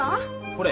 これ。